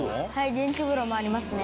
電気風呂もありますね」